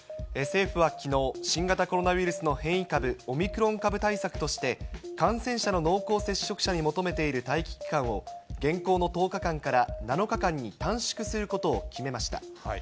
政府はきのう、新型コロナウイルスの変異株、オミクロン株対策として、感染者の濃厚接触者に求めている待機期間を、現行の１０日間から７日間に短縮することを決めました。